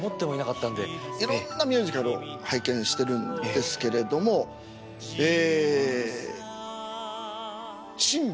いろんなミュージカルを拝見してるんですけれどもええシンバ。